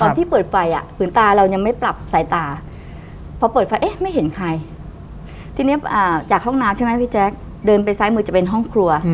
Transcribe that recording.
ที่เปิดไฟอ่ะผืนตาเรายังไม่ปรับสายตาพอเปิดไฟเอ๊ะไม่เห็นใครทีนี้จากห้องน้ำใช่ไหมพี่แจ๊คเดินไปซ้ายมือจะเป็นห้องครัว